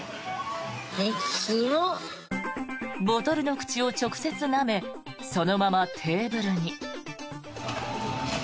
ボトルの口を直接なめそのままテーブルに。